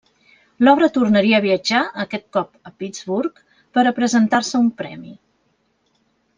L'obra tornaria a viatjar, aquest cop a Pittsburgh, per a presentar-se a un premi.